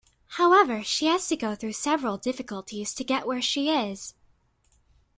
However, she has to go through several difficulties to get where she is.